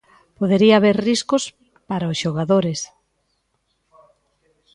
Podería haber riscos para os xogadores.